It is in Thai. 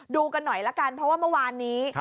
ดูกันหน่อยละกันเพราะว่าเมื่อวานนี้